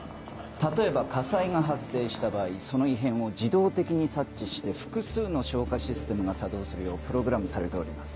例えば火災が発生した場合その異変を自動的に察知して複数の消火システムが作動するようプログラムされております。